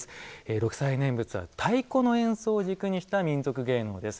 六斎念仏は太鼓の演奏を軸にした民俗芸能です。